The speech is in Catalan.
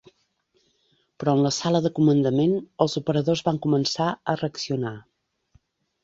Però en la sala de comandament els operadors van començar a reaccionar.